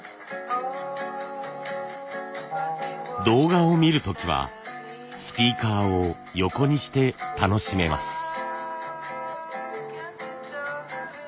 動画を見る時はスピーカーを横にして楽しめます。